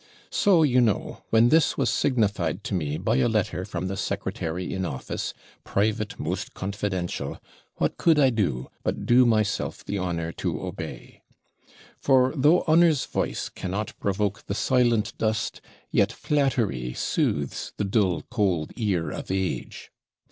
So you know, when this was signified to me by a letter from the secretary in office, PRIVATE, MOST CONFIDENTIAL, what could I do, but do myself the honour to obey? For though honour's voice cannot provoke the silent dust, yet "flattery soothes the dull cold ear of AGE."